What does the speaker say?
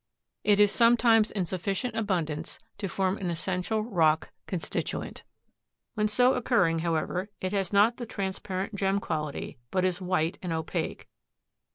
It is sometimes in sufficient abundance to form an essential rock constituent. When so occurring, however, it has not the transparent gem quality, but is white and opaque.